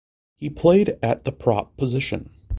He played at the prop position.